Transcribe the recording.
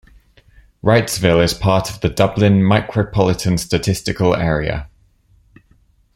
Wrightsville is part of the Dublin Micropolitan Statistical Area.